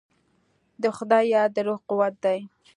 د خدای یاد د روح قوت دی.